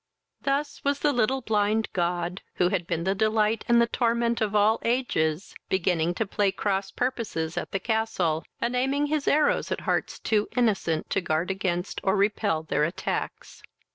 Thus was the little blind god, who had been the delight and the torment of all ages, beginning to play cross purposes at the castle, and aiming his arrows at hearts too innocent to guard against or repel their attacks.